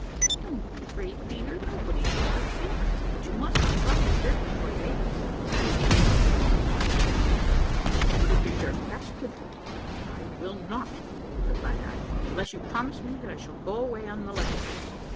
"Don't be afraid, Peter, nobody shall hurt you; but you must not draw your dirk before ladies, that's not like an officer and a gentleman so put up your dirk, that's a good boy." "I will not," replied I, "unless you promise me that I shall go away unmolested."